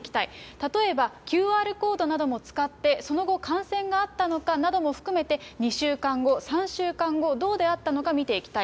例えばＱＲコードなども使って、その後、感染があったのかなども含めて、２週間後、３週間後、どうであったのか見ていきたい。